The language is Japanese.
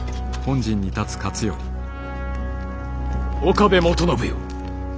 岡部元信よ。